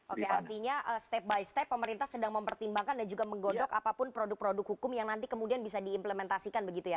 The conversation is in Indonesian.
oke artinya step by step pemerintah sedang mempertimbangkan dan juga menggodok apapun produk produk hukum yang nanti kemudian bisa diimplementasikan begitu ya